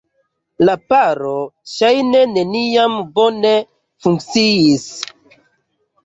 La paro ŝajne neniam bone funkciis.